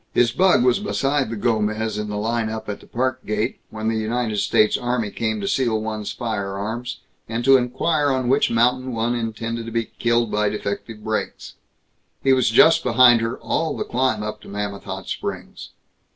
His bug was beside the Gomez in the line up at the Park gate, when the United States Army came to seal one's firearms, and to inquire on which mountain one intended to be killed by defective brakes. He was just behind her all the climb up to Mammoth Hot Springs.